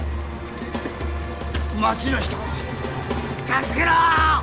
町の人を助けろ！